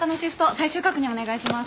最終確認お願いします。